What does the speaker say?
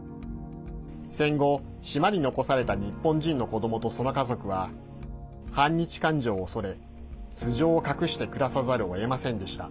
戦後、島に残された日本人の子どもと、その家族は反日感情を恐れ、素性を隠して暮らさざるをえませんでした。